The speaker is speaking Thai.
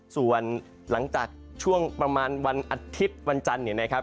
ส่วนหลังจากช่วงประมาณวันอาทิตย์วันจันทร์เนี่ยนะครับ